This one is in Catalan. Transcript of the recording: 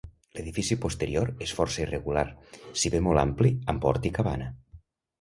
L'edifici posterior és força irregular si bé molt ampli amb hort i cabana.